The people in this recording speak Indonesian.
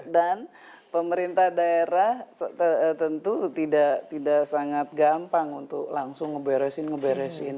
dan pemerintah daerah tentu tidak sangat gampang untuk langsung ngeberesin ngeberesin